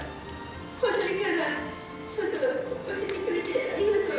５歳から書道を教えてくれてありがとう。